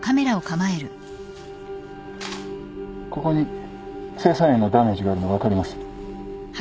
ここに青酸塩のダメージがあるの分かります？